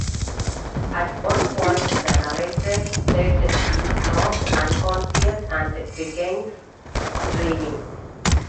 At one point, the narrator, Ted, is knocked unconscious and begins dreaming.